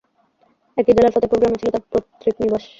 একই জেলার ফতেপুর গ্রামে ছিল তাঁর পৈতৃক নিবাস।